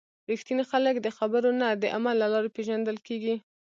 رښتیني خلک د خبرو نه، د عمل له لارې پیژندل کېږي.